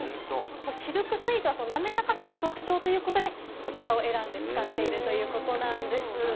シルクスイートは滑らかさが特徴ということで、こちらを選んで使っているということなんです。